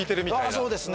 そうですね